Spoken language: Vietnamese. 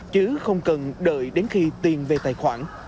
chứ không cần đợi đến khi tiền về tài khoản